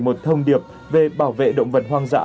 một thông điệp về bảo vệ động vật hoang dã